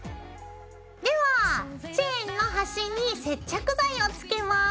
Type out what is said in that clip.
ではチェーンのはしに接着剤をつけます。